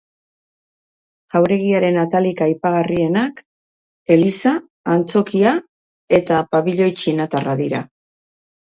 Jauregiaren atalik aipagarrienak eliza, antzokia eta pabiloi txinatarra dira.